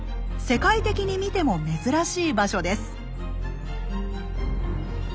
世界的に見ても珍しい場所です。